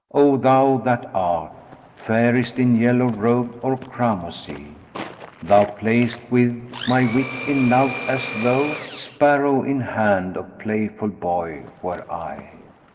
O thou that art * Fairest in yellow robed, or cramoisie, Thou playest with my wit in love, as though * Sparrow in hand of playful boy were I."